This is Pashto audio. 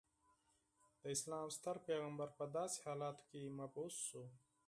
د اسلام ستر پیغمبر په داسې حالاتو کې مبعوث شو.